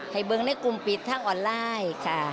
เบิงในกลุ่มปิดทางออนไลน์ค่ะ